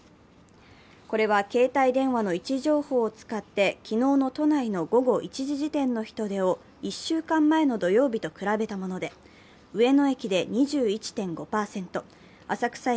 これは携帯電話の位置情報を使って、昨日の都内の午後１時時点の人出を１週間前の土曜日と比べたものです